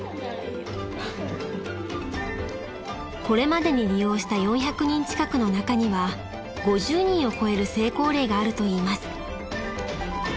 ［これまでに利用した４００人近くの中には５０人を超える成功例があるといいます］